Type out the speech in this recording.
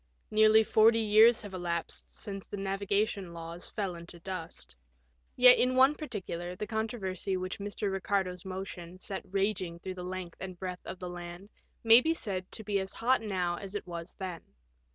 Nearly forty years have elapsed since the navigation laws fell into dust. Yet in one particular the controversy which Mr. Bicardo's motion set raging through the length and breadth of the land may be said to be as hot now as it was then.